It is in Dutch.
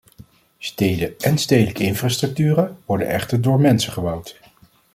Steden en stedelijke infrastructuren worden echter door mensen gebouwd.